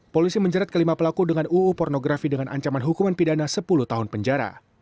polisi menjerat kelima pelaku dengan uu pornografi dengan ancaman hukuman pidana sepuluh tahun penjara